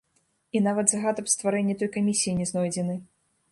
І нават загад аб стварэнні той камісіі не знойдзены.